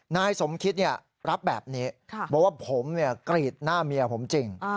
นายสมคิตรับแบบนี้บอกว่าผมกรีดหน้าเมียผมจริง